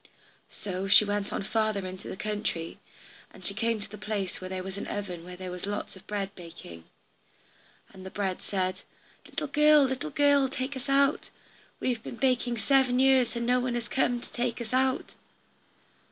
So she went on farther into the country, and she came to the place where there was an oven where there was lots of bread baking. And the bread said, "Little girl, little girl, take us out, take us out. We have been baking seven years, and no one has come to take us out."